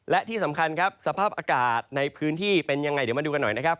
และที่สำคัญครับสภาพอากาศในพื้นที่เป็นยังไงเดี๋ยวมาดูกันหน่อยนะครับ